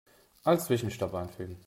Als Zwischenstopp einfügen.